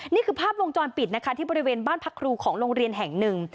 นี่คือภาพวงจรปิดนะคะที่บริเวณบ้านพักครูของโรงเรียนแห่งหนึ่ง